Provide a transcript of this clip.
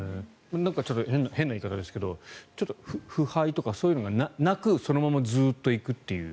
変な言い方ですけど腐敗とかそういうのがなくそのままずっと行くという。